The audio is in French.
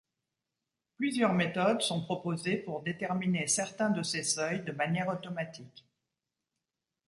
Plusieurs méthodes sont proposées pour déterminer certains de ces seuils de manière automatique.